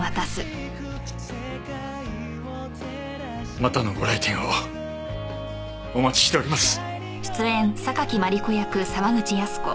またのご来店をお待ちしております。